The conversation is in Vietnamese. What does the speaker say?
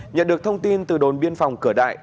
nhận được thông tin từ đồn biên phòng cửa đại